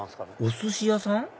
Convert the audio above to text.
お寿司屋さん？